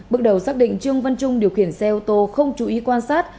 bước đầu xác định trương văn trung điều khiển xe ô tô không chú ý quan sát